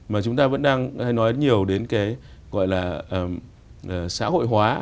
mà chúng ta vẫn đang hay nói nhiều đến cái gọi là xã hội hóa